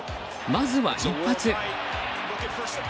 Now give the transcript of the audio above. まずは一発。